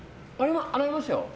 洗いますよ。